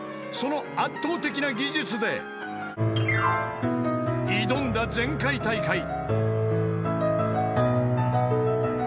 ［その圧倒的な技術で挑んだ前回大会］